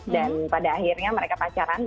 pada akhirnya mereka pacaran